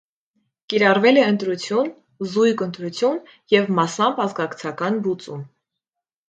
Կիրառվել է ըետրություն, զույգ ընտրություն և մասամբ ազգակցական բուծում։